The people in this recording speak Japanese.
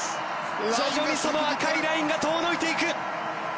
徐々にその赤いラインが遠のいていく。